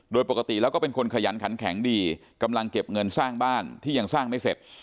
โดยปกติแล้วก็เป็นคนขยันขันแข็งดีกำลังเก็บเงินสร้างบ้านที่ยังสร้างไม่เสร็จ